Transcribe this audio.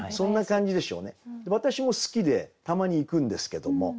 私も好きでたまに行くんですけども。